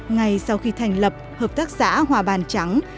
ngay sau khi thành lập hợp tác xã hòa bàn trắng